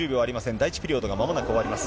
第１ピリオドがまもなく終わります。